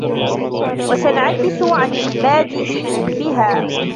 وَتَنْعَكِسُ عَنْ الْبَادِئِ بِهَا